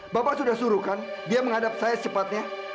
bapak sudah suruh kan dia menghadap saya secepatnya